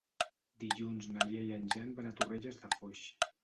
Dilluns na Lia i en Jan van a Torrelles de Foix.